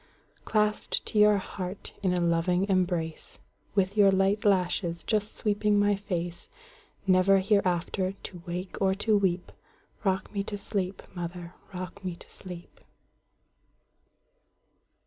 Clasped to your heart in a loving embrace, With your light lashes just sweeping my face, Never hereafter to wake or to weep;—Rock me to sleep, mother,—rock me to sleep!